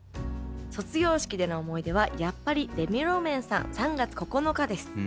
「卒業式での思い出はやっぱりレミオロメンさん『３月９日』です。